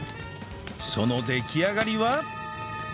その出来上がりは？